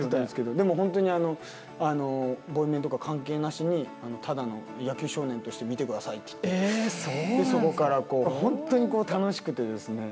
でも本当にあの「ボイメンとか関係なしにただの野球少年として見てください」って言ってでそこからこう本当に楽しくてですね。